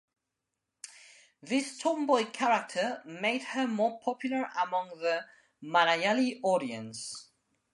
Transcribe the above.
This tomboy character made her more popular among the Malayali audience.